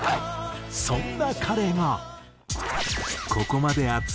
そんな彼が。